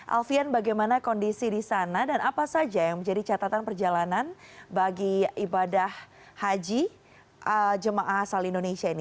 alfian bagaimana kondisi di sana dan apa saja yang menjadi catatan perjalanan bagi ibadah haji jemaah asal indonesia ini